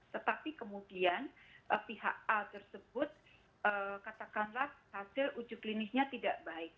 tetapi kemudian pihak a tersebut katakanlah hasil uji klinisnya tidak baik